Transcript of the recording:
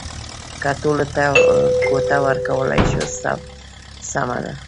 که ټولو ته کوټه ورکولای شي سمه ده.